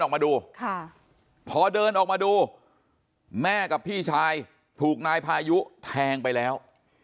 ออกมาดูค่ะพอเดินออกมาดูแม่กับพี่ชายถูกนายพายุแทงไปแล้ว